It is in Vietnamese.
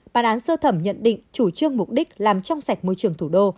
bản án sơ thẩm nhận định chủ trương mục đích làm trong sạch môi trường thủ đô